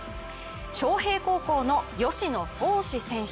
昌平高校の吉野創士選手。